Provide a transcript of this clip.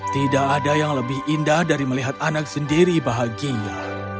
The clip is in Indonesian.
tidak ada yang lebih indah dari melihat anak sendiri bahagia